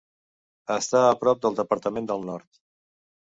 Està a prop del departament del Nord.